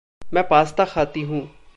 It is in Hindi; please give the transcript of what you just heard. मैं पास्ता खाती हूँ।